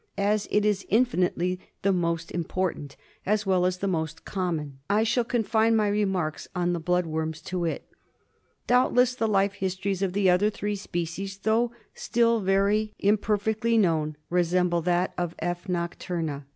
As it is in ,^^ finitely the most import ^^^^ ant, as well as the most ^Z^B common, I shall confine my remarks on the blood worms to it. Doubtless the life histories of the other three species, though still very imper fectly known, resemble that oi F. nocturna. FILARIASIS.